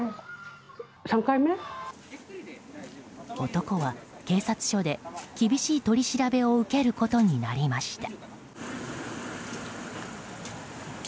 男は警察署で厳しい取り調べを受けることになりました。